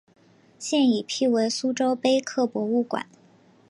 现已辟为苏州碑刻博物馆。